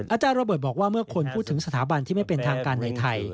อาจารย์โรเบิร์ตบอกว่าเมื่อคนพูดถึงสถาบันที่ไม่เป็นทางการในไทย